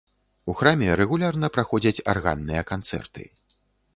У храме рэгулярна праходзяць арганныя канцэрты.